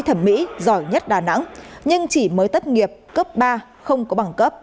thẩm mỹ giỏi nhất đà nẵng nhưng chỉ mới tất nghiệp cấp ba không có bằng cấp